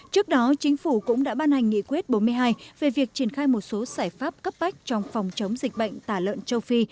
trước đó chính phủ cũng đã ban hành nghị quyết bốn mươi hai về việc triển khai một số giải pháp cấp bách trong phòng chống dịch bệnh tả lợn châu phi